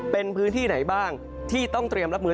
เป็นพื้นที่ไหนบ้างที่ต้องเตรียมรับมือ